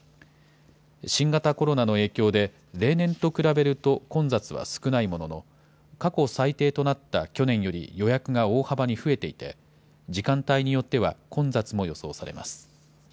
新型コロナの影響で、例年と比べると、混雑は少ないものの、過去最低となった去年より予約が大幅に増えていて、時間帯によっては混雑も予想されます。